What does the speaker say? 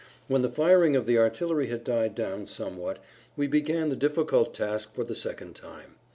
When the firing of the artillery had died down somewhat we began the difficult task for the second time.